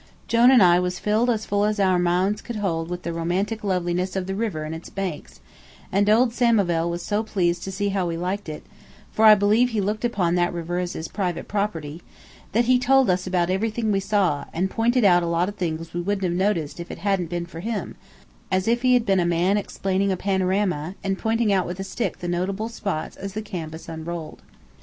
Jone and I was filled as full as our minds could hold with the romantic loveliness of the river and its banks, and old Samivel was so pleased to see how we liked it for I believe he looked upon that river as his private property that he told us about everything we saw, and pointed out a lot of things we wouldn't have noticed if it hadn't been for him, as if he had been a man explaining a panorama, and pointing out with a stick the notable spots as the canvas unrolled.